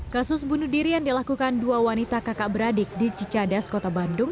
kasus bunuh diri yang dilakukan dua wanita kakak beradik di cicadas kota bandung